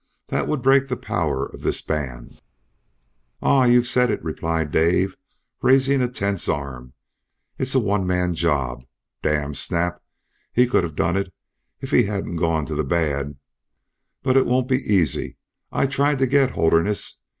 That would break the power of this band." "Ah! you've said it," replied Dave, raising a tense arm. "It's a one man job. D n Snap! He could have done it, if he hadn't gone to the bad. But it won't be easy. I tried to get Holderness.